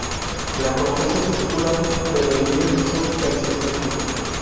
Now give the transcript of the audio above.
La corteza es oscura, de relieve liso, persistente.